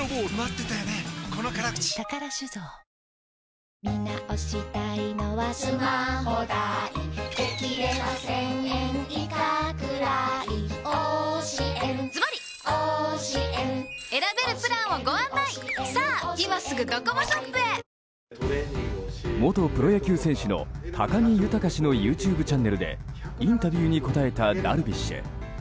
清々堂々清らかなる傑作「伊右衛門」元プロ野球選手の高木豊氏のＹｏｕＴｕｂｅチャンネルでインタビューに答えたダルビッシュ。